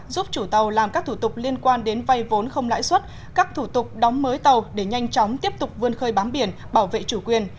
giúp chủ tàu làm các thủ tục liên quan đến vay vốn không lãi suất các thủ tục đóng mới tàu để nhanh chóng tiếp tục vươn khơi bám biển bảo vệ chủ quyền